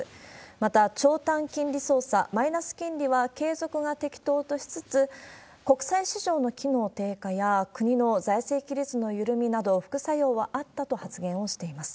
また、長短金利操作、マイナス金利は継続が適当としつつ、国債市場の機能低下や国の財政規律の緩みなど、副作用はあったと発言をしています。